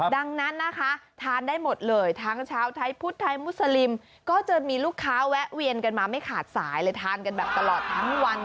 ดังนั้นนะคะทานได้หมดเลยทั้งชาวไทยพุทธไทยมุสลิมก็จะมีลูกค้าแวะเวียนกันมาไม่ขาดสายเลยทานกันแบบตลอดทั้งวัน